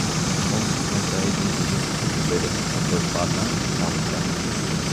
Щом ви снеха, един войник го поведе, а той падна и там умря.